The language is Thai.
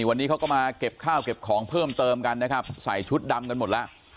วันนี้เขาก็มาเก็บข้าวเก็บของเพิ่มเติมกันนะครับใส่ชุดดำกันหมดแล้ว